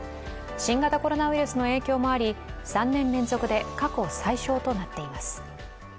新型コロナウイルスの影響もあり、３年連続で過去最少となっています。